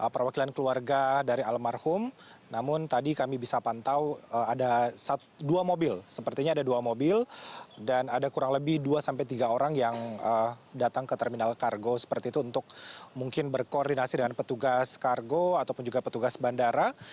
perwakilan keluarga dari almarhum namun tadi kami bisa pantau ada dua mobil sepertinya ada dua mobil dan ada kurang lebih dua tiga orang yang datang ke terminal kargo seperti itu untuk mungkin berkoordinasi dengan petugas kargo ataupun juga petugas bandara